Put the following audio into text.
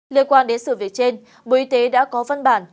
liên quan đến sự việc trên bộ y tế đã có văn bản